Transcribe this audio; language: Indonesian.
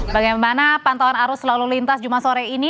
bagaimana pantauan arus lalu lintas jumat sore ini